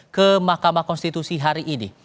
ke mahkamah konstitusi hari ini